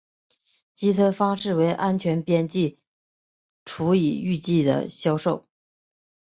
计算方式为安全边际除以预计的销货。